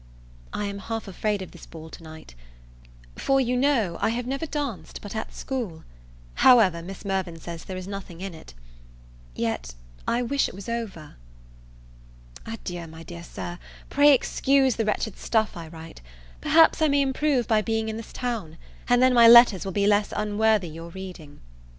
I am half afraid of this ball to night; for, you know, I have never danced but at school: however, Miss Mirvan says there is nothing in it. Yet, I wish it was over. Adieu, my dear Sir, pray excuse the wretched stuff I write; perhaps I may improve by being in this town, and then my letters will be less unworthy your reading.